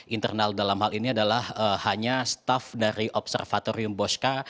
internal dalam hal ini adalah hanya staff dari observatorium bosca